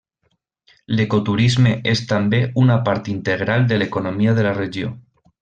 L'ecoturisme és també una part integral de l'economia de la regió.